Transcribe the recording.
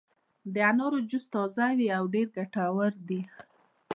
د انارو جوس تازه وي او ډېر ګټور دی.